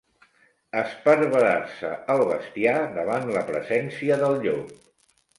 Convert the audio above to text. Esparverar-se el bestiar davant la presència del llop.